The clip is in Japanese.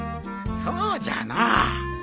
そうじゃのう。